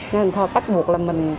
nên thôi bắt buộc là mình